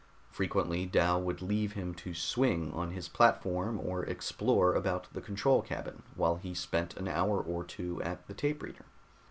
Frequently Dal would leave him to swing on his platform or explore about the control cabin while he spent an hour or two at the tape reader.